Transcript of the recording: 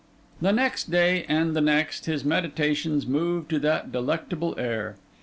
The next day, and the next, his meditations moved to that delectable air.